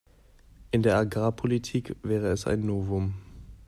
In der Agrarpolitik wäre es ein Novum.